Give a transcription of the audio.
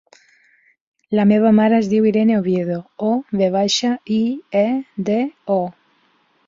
La meva mare es diu Irene Oviedo: o, ve baixa, i, e, de, o.